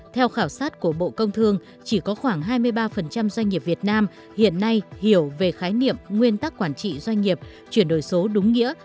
theo khảo sát của bộ công thương chỉ có khoảng hai mươi ba doanh nghiệp việt nam hiện nay hiểu về khái niệm nguyên tắc quản trị doanh nghiệp chuyển đổi số đúng nghĩa